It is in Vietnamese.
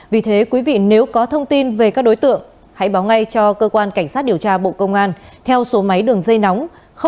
vì thế quý vị nếu có thông tin về các đối tượng hãy báo ngay cho cơ quan cảnh sát điều tra bộ công an theo số máy đường dây nóng